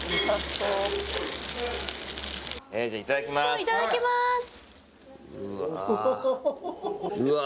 いただきますうわ